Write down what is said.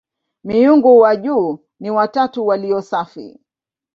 Miungu wa juu ni "watatu walio safi".